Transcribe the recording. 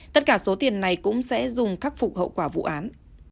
tất cả số tiền này cũng sẽ dùng khắc phục hậu quả vụ án